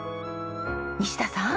西田さん。